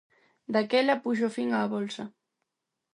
Daquela puxo fin á bolsa.